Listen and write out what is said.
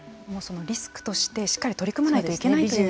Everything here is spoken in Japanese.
リスクとしてしっかり取り組まないといけないという。